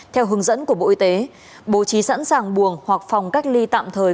theo hướng dẫn của bộ y tế bố trí sẵn sàng buồng hoặc phòng cách ly tạm thời